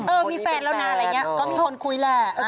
มีแฟนแล้วนะอะไรอย่างนี้ก็มีคนคุยแหละ